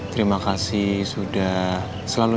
terima kasih sudah selalu